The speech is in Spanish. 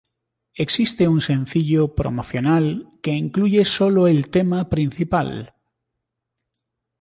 Existe un sencillo promocional que incluye sólo el tema principal.